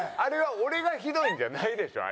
俺がひどいんじゃないでしょ？